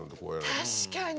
確かに！